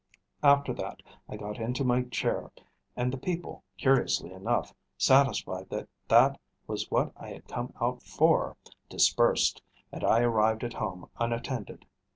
After that I got into my chair; and the people, curiously enough, satisfied that that was what I had come out for, dispersed, and I arrived at home unattended.